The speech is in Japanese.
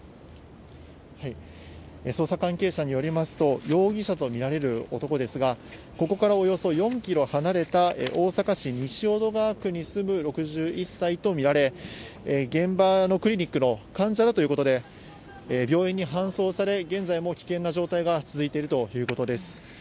捜査関係者によりますと、容疑者と見られる男ですが、ここからおよそ４キロ離れた大阪市西淀川区に住む６１歳と見られ、現場のクリニックの患者だということで、病院に搬送され、現在も危険な状態が続いているということです。